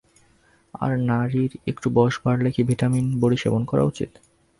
আর নারীর একটু বয়স বাড়লেই কি ভিটামিন বড়ি সেবন করা উচিত?